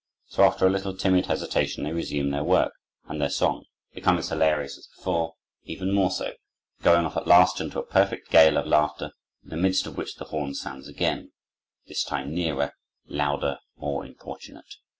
So, after a little timid hesitation, they resume their work and their song, become as hilarious as before, even more so, going off at last into a perfect gale of laughter, in the midst of which the horn sounds again; this time nearer, louder, more importunate.